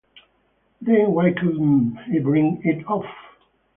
Then why couldn’t he bring it off?